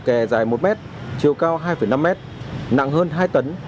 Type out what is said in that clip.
đè dài một mét chiều cao hai năm mét nặng hơn hai tấn